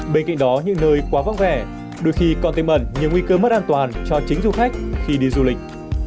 bên cạnh đó những nơi quá vắng vẻ đôi khi còn tên mẩn những nguy cơ mất an toàn cho chính du khách khi đi du lịch